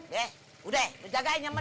ya udah lo jagain yang bener